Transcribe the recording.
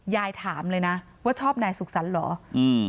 ยายถามเลยนะว่าชอบนายสุขสรรค์เหรออืม